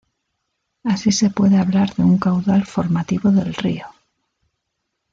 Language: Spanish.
Así se puede hablar de un caudal formativo del río.